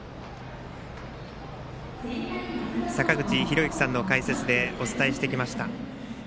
坂口裕之さんの解説でお伝えしてきました。